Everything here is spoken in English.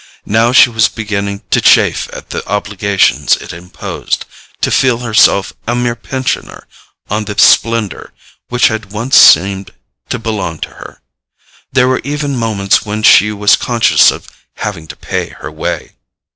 Now she was beginning to chafe at the obligations it imposed, to feel herself a mere pensioner on the splendour which had once seemed to belong to her. There were even moments when she was conscious of having to pay her way.